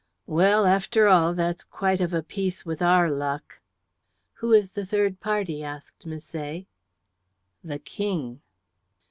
"Well, after all, that's quite of a piece with our luck." "Who is the third party?" asked Misset. "The King."